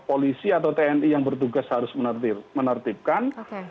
polisi atau tni yang bertugas harus menertibkan